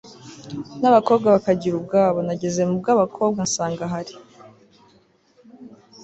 n'abakobwa bakagira ubwabo. nageze mu bw'abakobwa nsanga hari